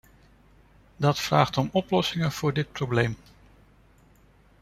Dat vraagt om oplossingen voor dit probleem.